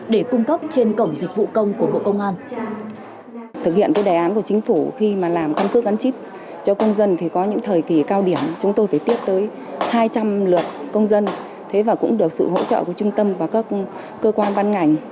để cung cấp trên cổng dịch vụ công của bộ công an